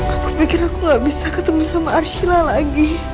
aku pikir aku gak bisa ketemu sama arshila lagi